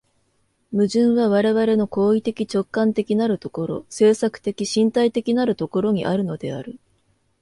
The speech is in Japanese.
矛盾は我々の行為的直観的なる所、制作的身体的なる所にあるのである。